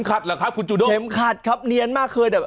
อ้าวไม่นะ